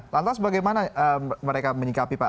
lantas bagaimana mereka menyikapi pak